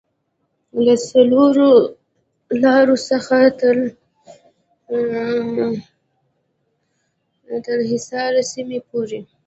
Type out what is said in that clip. له څلورلارې څخه تر بیني حصار سیمې پورې